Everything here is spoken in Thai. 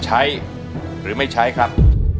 ใช้หรือไม่ใช้ครับ